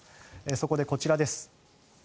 そこでこちらです。